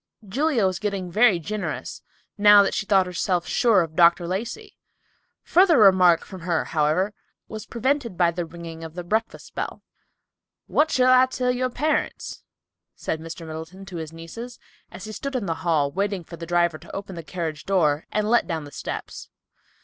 Julia was getting very generous, now that she thought herself sure of Dr. Lacey. Further remark from her, however, was prevented by the ringing of the breakfast bell. "What shall I tell your parents?" said Mr. Middleton to his nieces, as he stood in the hall, waiting for the driver to open the carriage door and let down the steps.